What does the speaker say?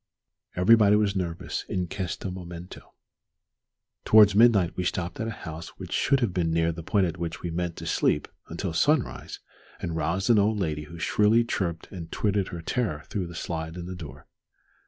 Everybody was nervous "in questo momento." Towards midnight we stopped at a house which should have been near the point at which we meant to sleep until sunrise, and roused an old lady who shrilly chirped and twittered her terror through the slide in the door.